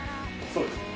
そうですね。